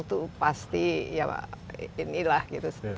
final tuh pasti ya inilah gitu